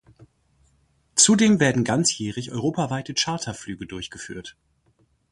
Zudem werden ganzjährig europaweite Charterflüge durchgeführt.